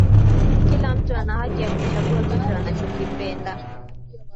kila mtu ana haki ya kuchagua kitu anachokipenda